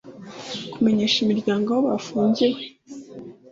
kumenyesha imiryango aho bafungiwe